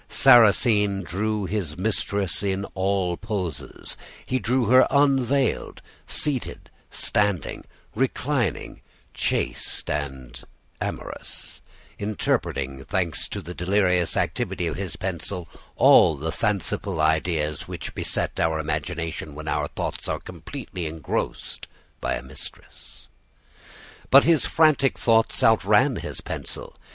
Sarrasine drew his mistress in all poses: he drew her unveiled, seated, standing, reclining, chaste, and amorous interpreting, thanks to the delirious activity of his pencil, all the fanciful ideas which beset our imagination when our thoughts are completely engrossed by a mistress. But his frantic thoughts outran his pencil.